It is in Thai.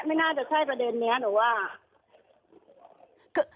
ไม่น่าจะใช่ประเด็นนี้หนูว่า